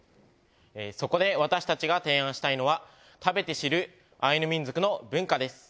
そこで私たちが提案したいのは食べて知るアイヌ民族の文化です。